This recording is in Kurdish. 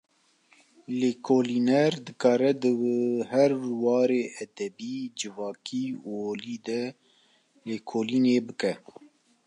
Lêkolîner, dikare di her warê edebî, civakî û olî de lêkolînê bike